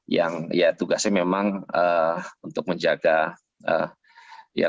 yang tugasnya memang untuk menjaga keamanan